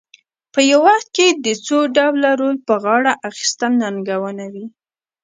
په یو وخت کې د څو ډوله رول په غاړه اخیستل ننګونه وي.